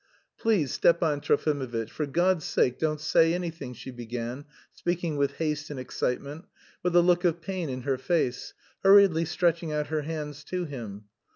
"Please, Stepan Trofimovitch, for God's sake, don't say anything," she began, speaking with haste and excitement, with a look of pain in her face, hurriedly stretching out her hands to him.